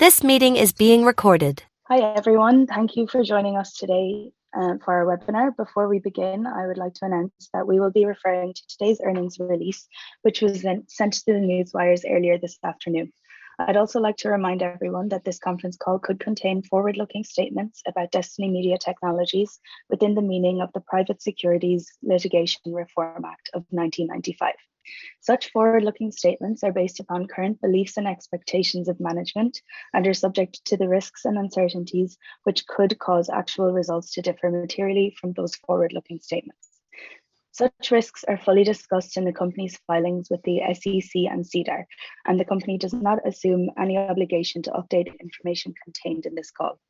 This meeting is being recorded. Hi, everyone. Thank you for joining us today for our webinar. Before we begin, I would like to announce that we will be referring to today's earnings release, which was sent to the newswires earlier this afternoon. I'd also like to remind everyone that this conference call could contain forward-looking statements about Destiny Media Technologies within the meaning of the Private Securities Litigation Reform Act of 1995. Such forward-looking statements are based upon current beliefs and expectations of management and are subject to the risks and uncertainties which could cause actual results to differ materially from those forward-looking statements. Such risks are fully discussed in the company's filings with the SEC and SEDAR, and the company does not assume any obligation to update information contained in this call.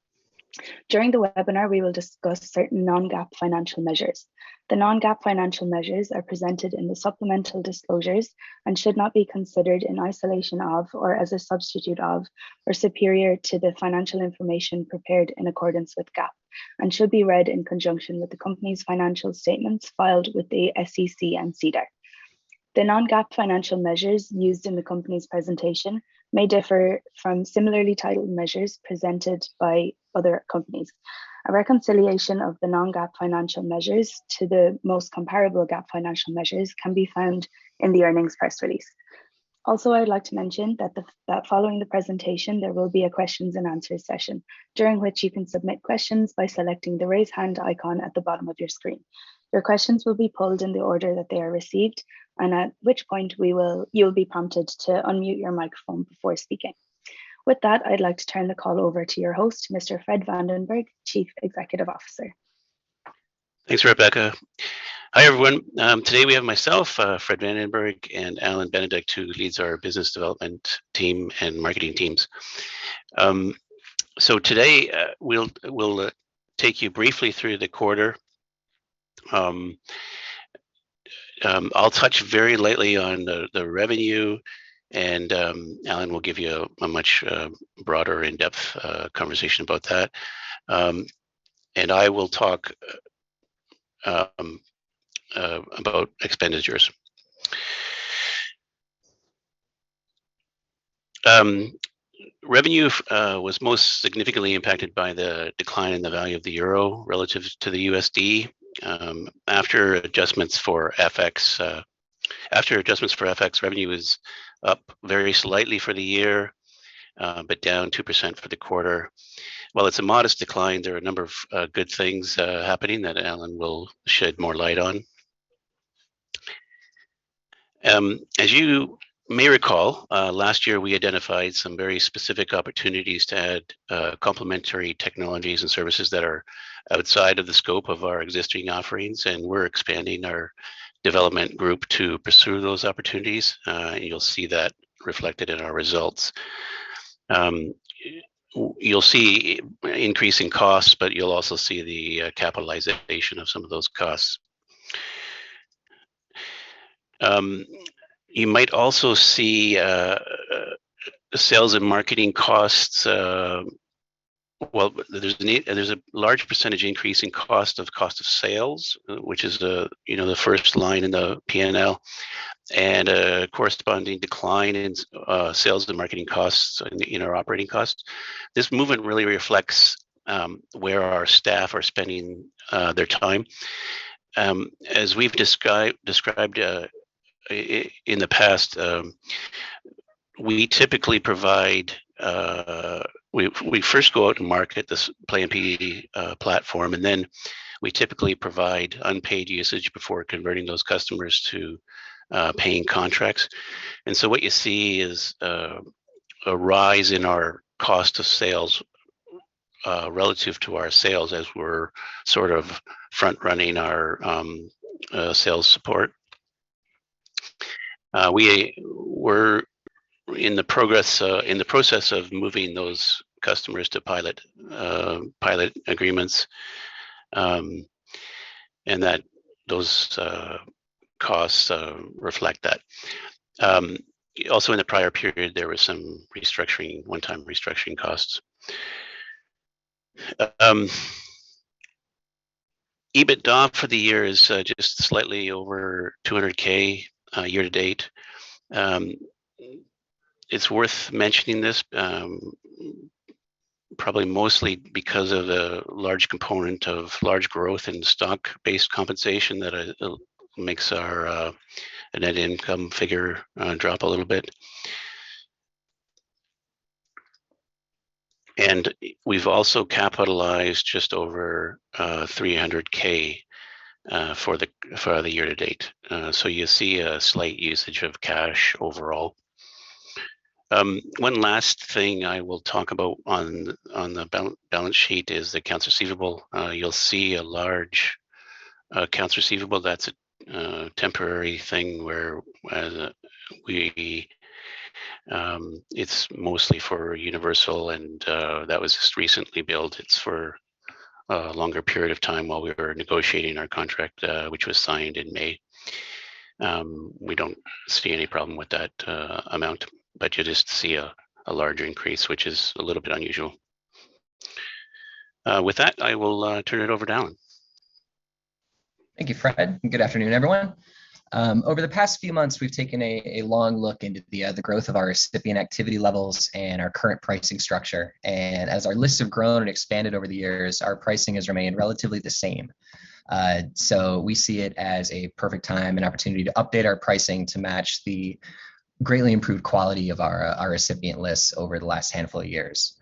During the webinar, we will discuss certain non-GAAP financial measures. The non-GAAP financial measures are presented in the supplemental disclosures and should not be considered in isolation of, or as a substitute of, or superior to the financial information prepared in accordance with GAAP and should be read in conjunction with the company's financial statements filed with the SEC and SEDAR. The non-GAAP financial measures used in the company's presentation may differ from similarly titled measures presented by other companies. A reconciliation of the non-GAAP financial measures to the most comparable GAAP financial measures can be found in the earnings press release. Also, I would like to mention that following the presentation, there will be a question and answer session, during which you can submit questions by selecting the raise hand icon at the bottom of your screen. Your questions will be pulled in the order that they are received, and at which point you'll be prompted to unmute your microphone before speaking. With that, I'd like to turn the call over to your host, Mr. Fred Vandenberg, Chief Executive Officer. Thanks, Rebecca. Hi, everyone. Today we have myself, Fred Vandenberg, and Allan Benedict, who leads our business development team and marketing teams. We'll take you briefly through the quarter. I'll touch very lightly on the revenue and Alan will give you a much broader in-depth conversation about that. I will talk about expenditures. Revenue was most significantly impacted by the decline in the value of the euro relative to the USD, after adjustments for FX. After adjustments for FX, revenue was up very slightly for the year, but down 2% for the quarter. While it's a modest decline, there are a number of good things happening that Alan will shed more light on. As you may recall, last year we identified some very specific opportunities to add complementary technologies and services that are outside of the scope of our existing offerings, and we're expanding our development group to pursue those opportunities. You'll see that reflected in our results. You'll see increasing costs, but you'll also see the capitalization of some of those costs. You might also see sales and marketing costs. Well, there's a large percentage increase in cost of sales, which is, you know, the first line in the P&L and a corresponding decline in sales and marketing costs in our operating costs. This movement really reflects where our staff are spending their time. As we've described in the past, we typically provide. We first go out and market this Play MPE platform, and then we typically provide unpaid usage before converting those customers to paying contracts. What you see is a rise in our cost of sales relative to our sales as we're sort of front-running our sales support. We were in the process of moving those customers to pilot agreements, and those costs reflect that. Also in the prior period, there was some restructuring, one-time restructuring costs. EBITDA for the year is just slightly over $200,000 year to date. It's worth mentioning this probably mostly because of the large component of large growth in stock-based compensation that makes our net income figure drop a little bit. We've also capitalized just over $300K for the year to date. So you see a slight usage of cash overall. One last thing I will talk about on the balance sheet is the accounts receivable. You'll see a large accounts receivable. That's a temporary thing where we it's mostly for Universal Music Group and that was just recently built. It's for a longer period of time while we were negotiating our contract, which was signed in May. We don't see any problem with that amount, but you just see a large increase, which is a little bit unusual. With that, I will turn it over to Allan Benedict. Thank you, Fred, and good afternoon, everyone. Over the past few months, we've taken a long look into the growth of our recipient activity levels and our current pricing structure. As our lists have grown and expanded over the years, our pricing has remained relatively the same. We see it as a perfect time and opportunity to update our pricing to match the greatly improved quality of our recipient lists over the last handful of years.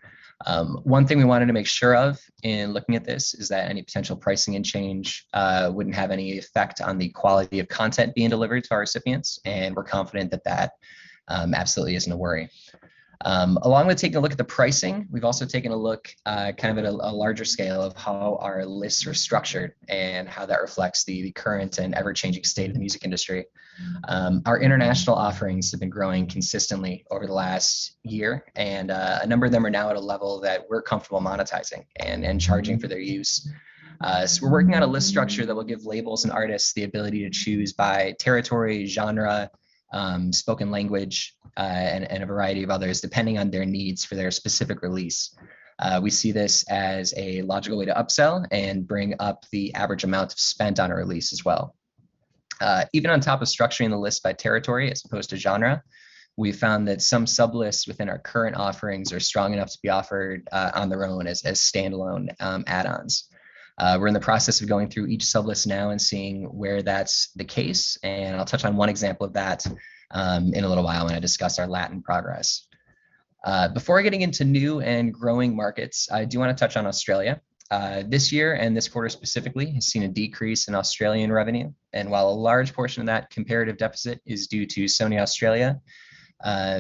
One thing we wanted to make sure of in looking at this is that any potential pricing change wouldn't have any effect on the quality of content being delivered to our recipients, and we're confident that absolutely isn't a worry. Along with taking a look at the pricing, we've also taken a look, kind of at a larger scale of how our lists are structured and how that reflects the current and ever-changing state of the music industry. Our international offerings have been growing consistently over the last year, and a number of them are now at a level that we're comfortable monetizing and charging for their use. We're working on a list structure that will give labels and artists the ability to choose by territory, genre, spoken language, and a variety of others depending on their needs for their specific release. We see this as a logical way to upsell and bring up the average amount spent on a release as well. Even on top of structuring the list by territory as opposed to genre, we found that some sub-lists within our current offerings are strong enough to be offered on their own as standalone add-ons. We're in the process of going through each sub-list now and seeing where that's the case, and I'll touch on one example of that in a little while when I discuss our Latin progress. Before getting into new and growing markets, I do wanna touch on Australia. This year and this quarter specifically has seen a decrease in Australian revenue, and while a large portion of that comparative deficit is due to Sony Music Australia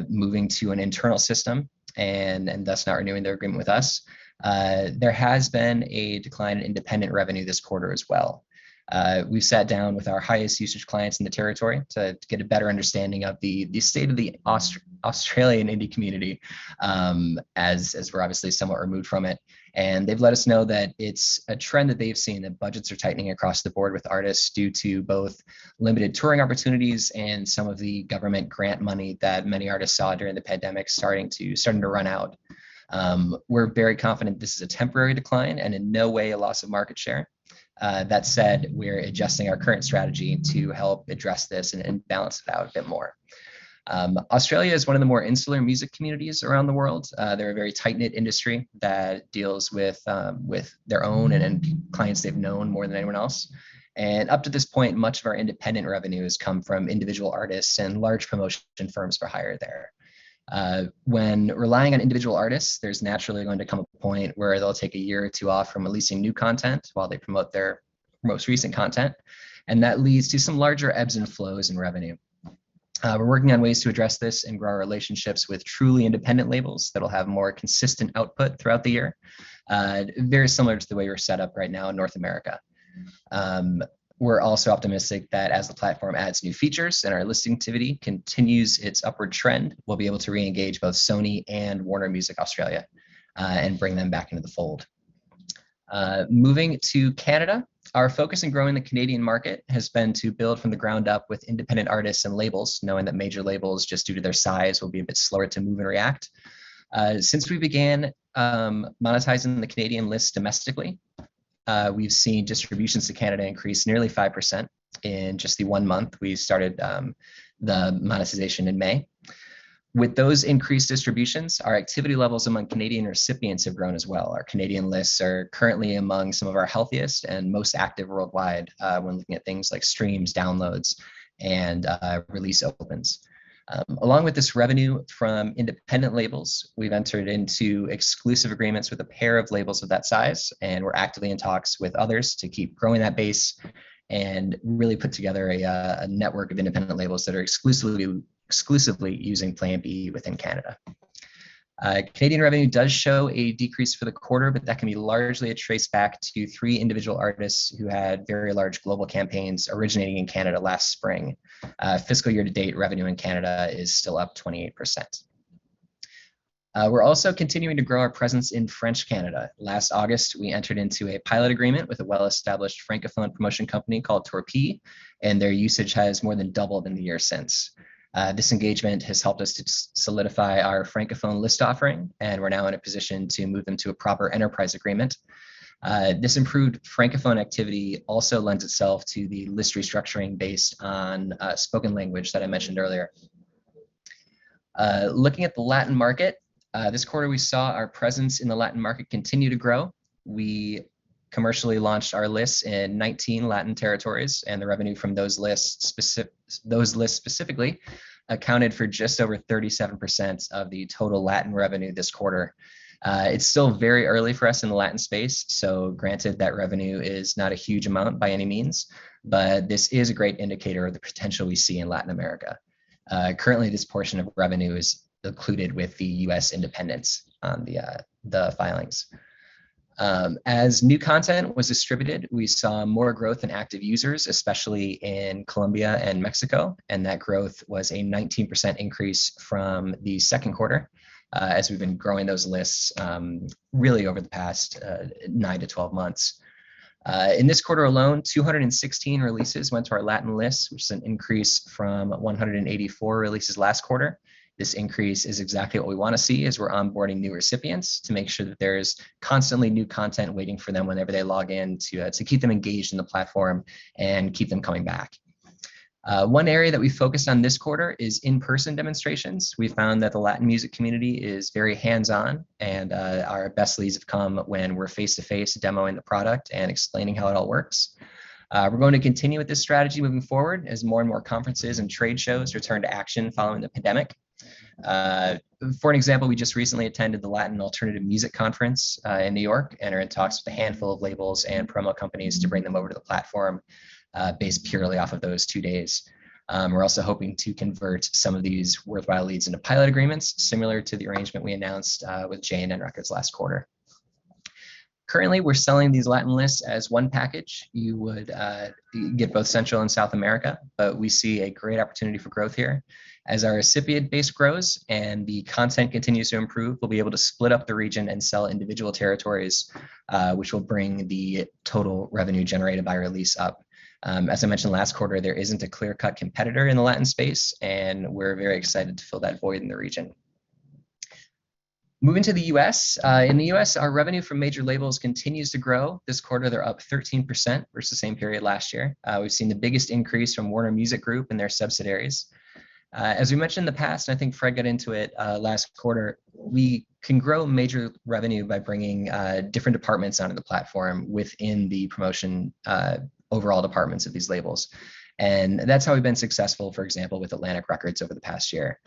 moving to an internal system and thus not renewing their agreement with us, there has been a decline in independent revenue this quarter as well. We've sat down with our highest usage clients in the territory to get a better understanding of the state of the Australian indie community, as we're obviously somewhat removed from it. They've let us know that it's a trend that they've seen that budgets are tightening across the board with artists due to both limited touring opportunities and some of the government grant money that many artists saw during the pandemic starting to run out. We're very confident this is a temporary decline and in no way a loss of market share. That said, we're adjusting our current strategy to help address this and balance it out a bit more. Australia is one of the more insular music communities around the world. They're a very tight-knit industry that deals with their own and clients they've known more than anyone else. Up to this point, much of our independent revenue has come from individual artists and large promotion firms for hire there. When relying on individual artists, there's naturally going to come a point where they'll take a year or two off from releasing new content while they promote their most recent content, and that leads to some larger ebbs and flows in revenue. We're working on ways to address this and grow our relationships with truly independent labels that'll have more consistent output throughout the year, very similar to the way we're set up right now in North America. We're also optimistic that as the platform adds new features and our listing activity continues its upward trend, we'll be able to reengage both Sony and Warner Music Australia and bring them back into the fold. Moving to Canada, our focus in growing the Canadian market has been to build from the ground up with independent artists and labels, knowing that major labels, just due to their size, will be a bit slower to move and react. Since we began monetizing the Canadian list domestically, we've seen distributions to Canada increase nearly 5% in just the one month we started the monetization in May. With those increased distributions, our activity levels among Canadian recipients have grown as well. Our Canadian lists are currently among some of our healthiest and most active worldwide, when looking at things like streams, downloads, and release opens. Along with this revenue from independent labels, we've entered into exclusive agreements with a pair of labels of that size, and we're actively in talks with others to keep growing that base and really put together a network of independent labels that are exclusively using Play MPE within Canada. Canadian revenue does show a decrease for the quarter, but that can be largely traced back to three individual artists who had very large global campaigns originating in Canada last spring. Fiscal year-to-date revenue in Canada is still up 28%. We're also continuing to grow our presence in French Canada. Last August, we entered into a pilot agreement with a well-established Francophone promotion company called Torpille, and their usage has more than doubled in the year since. This engagement has helped us to solidify our Francophone list offering, and we're now in a position to move them to a proper enterprise agreement. This improved Francophone activity also lends itself to the list restructuring based on spoken language that I mentioned earlier. Looking at the Latin market, this quarter we saw our presence in the Latin market continue to grow. We commercially launched our lists in 19 Latin territories, and the revenue from those lists specifically accounted for just over 37% of the total Latin revenue this quarter. It's still very early for us in the Latin space, so granted that revenue is not a huge amount by any means, but this is a great indicator of the potential we see in Latin America. Currently this portion of revenue is included with the U.S. independents on the filings. As new content was distributed, we saw more growth in active users, especially in Colombia and Mexico, and that growth was a 19% increase from the second quarter, as we've been growing those lists, really over the past 9-12 months. In this quarter alone, 216 releases went to our Latin lists, which is an increase from 184 releases last quarter. This increase is exactly what we wanna see as we're onboarding new recipients to make sure that there's constantly new content waiting for them whenever they log in to keep them engaged in the platform and keep them coming back. One area that we focused on this quarter is in-person demonstrations. We found that the Latin music community is very hands-on, and our best leads have come when we're face-to-face demoing the product and explaining how it all works. We're going to continue with this strategy moving forward as more and more conferences and trade shows return to action following the pandemic. For example, we just recently attended the Latin Alternative Music Conference in New York and are in talks with a handful of labels and promo companies to bring them over to the platform based purely off of those two days. We're also hoping to convert some of these worthwhile leads into pilot agreements similar to the arrangement we announced with J&N Records last quarter. Currently, we're selling these Latin lists as one package. You would get both Central and South America, but we see a great opportunity for growth here. As our recipient base grows and the content continues to improve, we'll be able to split up the region and sell individual territories which will bring the total revenue generated by our release up. As I mentioned last quarter, there isn't a clear-cut competitor in the Latin space, and we're very excited to fill that void in the region. Moving to the US. In the US, our revenue from major labels continues to grow. This quarter, they're up 13% versus same period last year. We've seen the biggest increase from Warner Music Group and their subsidiaries. As we mentioned in the past, and I think Fred got into it, last quarter, we can grow major revenue by bringing different departments onto the platform within the promotion, overall departments of these labels. That's how we've been successful, for example, with Atlantic Records over the past year.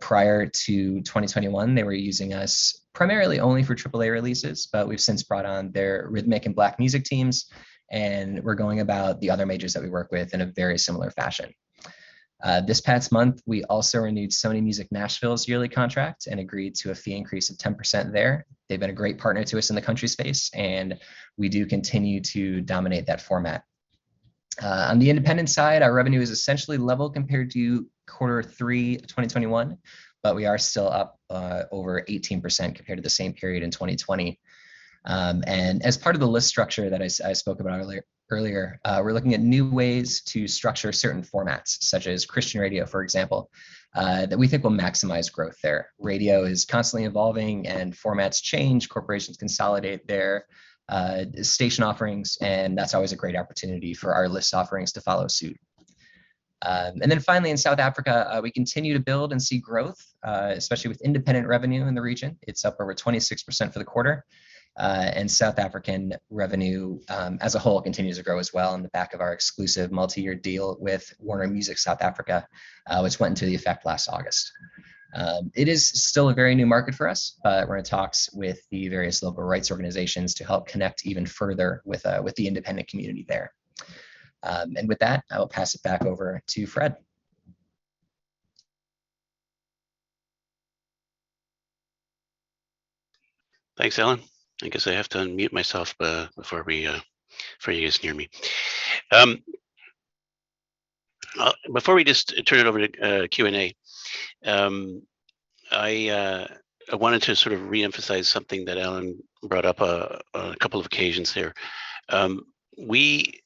Prior to 2021, they were using us primarily only for AAA releases, but we've since brought on their rhythmic and Black music teams, and we're going about the other majors that we work with in a very similar fashion. This past month, we also renewed Sony Music Nashville's yearly contract and agreed to a fee increase of 10% there. They've been a great partner to us in the country space, and we do continue to dominate that format. On the independent side, our revenue is essentially level compared to quarter three of 2021, but we are still up over 18% compared to the same period in 2020. As part of the list structure that I spoke about earlier, we're looking at new ways to structure certain formats, such as Christian radio, for example, that we think will maximize growth there. Radio is constantly evolving and formats change. Corporations consolidate their station offerings, and that's always a great opportunity for our list offerings to follow suit. Finally in South Africa, we continue to build and see growth, especially with independent revenue in the region. It's up over 26% for the quarter. South African revenue, as a whole continues to grow as well on the back of our exclusive multi-year deal with Warner Music South Africa, which went into effect last August. It is still a very new market for us, but we're in talks with the various local rights organizations to help connect even further with the independent community there. With that, I will pass it back over to Fred. Thanks, Allan. I guess I have to unmute myself before you guys hear me. Before we just turn it over to Q&A, I wanted to sort of reemphasize something that Allan brought up a couple of occasions here. We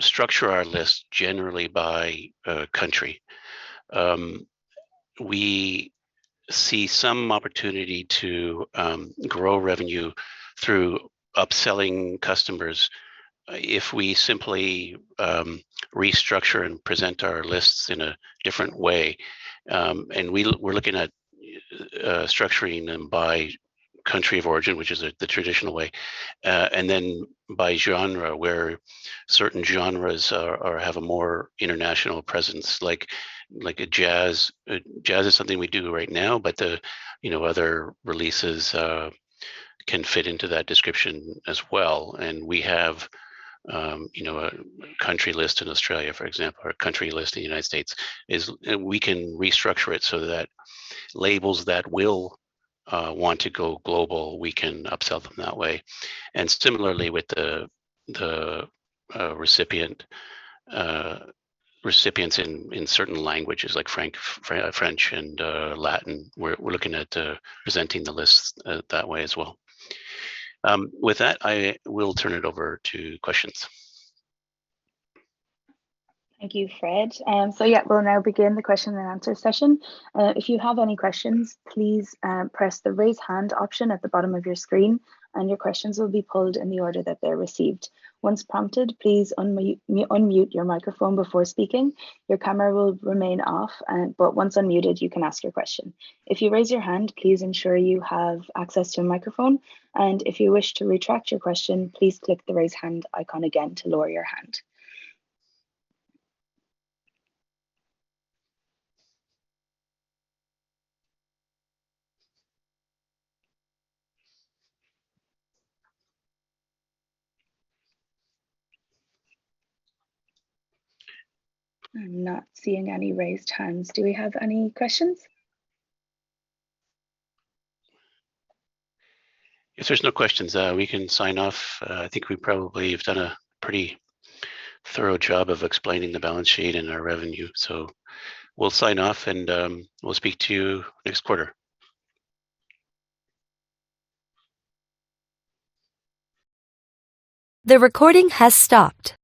structure our lists generally by country. We see some opportunity to grow revenue through upselling customers if we simply restructure and present our lists in a different way. We're looking at structuring them by country of origin, which is the traditional way, and then by genre, where certain genres have a more international presence like jazz. Jazz is something we do right now, but you know, other releases can fit into that description as well. We have, you know, a country list in Australia, for example, or a country list in the United States is. We can restructure it so that labels that will want to go global, we can upsell them that way. Similarly with the recipients in certain languages like French and Latin, we're looking at presenting the lists that way as well. With that, I will turn it over to questions. Thank you, Fred. Yeah, we'll now begin the question and answer session. If you have any questions, please press the Raise Hand option at the bottom of your screen, and your questions will be pulled in the order that they're received. Once prompted, please unmute your microphone before speaking. Your camera will remain off, but once unmuted, you can ask your question. If you raise your hand, please ensure you have access to a microphone, and if you wish to retract your question, please click the Raise Hand icon again to lower your hand. I'm not seeing any raised hands. Do we have any questions? If there's no questions, we can sign off. I think we probably have done a pretty thorough job of explaining the balance sheet and our revenue. We'll sign off, and we'll speak to you next quarter. The recording has stopped.